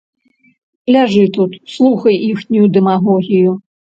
Ляжы тут, слухай іхнюю дэмагогію.